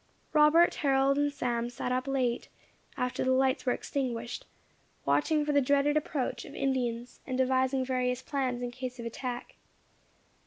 Robert, Harold and Sam sat up late, after the lights were extinguished, watching for the dreaded approach of Indians, and devising various plans in case of attack.